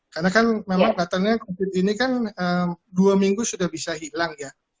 karena kan memang katanya covid ini kan dua minggu sudah bisa hilang ya